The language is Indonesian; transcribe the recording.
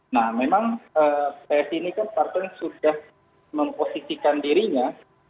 nah memang psi ini kan partai yang sudah memposisikan dirinya